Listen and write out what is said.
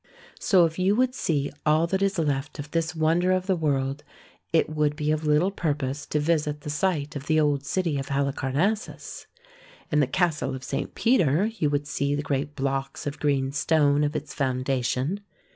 So if you would see all that is left of this wonder of the THE TOMB OF KING MAUSOLLJS 151 world, it would be of little purpose to visit the site of the old city of Halicarnassus. In the castle of St. Peter you would see the great blocks of green stone of its foundation.